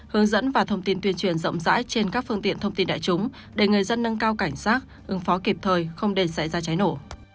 hướng dẫn và thông tin tuyên truyền rộng rãi trên các phương tiện thông tin đại chúng đề nghị dân nâng cao cảnh sát ứng phó kịp thời không để xảy ra trái nổ